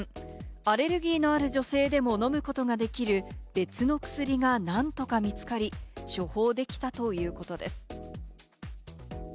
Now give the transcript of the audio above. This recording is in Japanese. アレルギーのある女性でも飲むことができる別の薬がなんとか見つかり、処方できたということです。